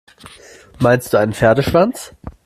Meinst du einen Pferdeschwanz?